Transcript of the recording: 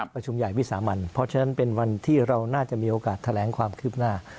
ประชุมใหญ่วิสามันเพราะฉะนั้นเป็นวันที่เราน่าจะมีโอกาสแถลงความคืบหน้า